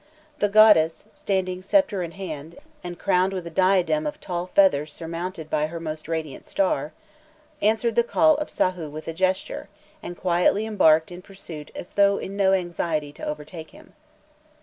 The goddess, standing sceptre in hand, and crowned with a diadem of tall feathers surmounted by her most radiant star, answered the call of Sahû with a gesture, and quietly embarked in pursuit as though in no anxiety to overtake him.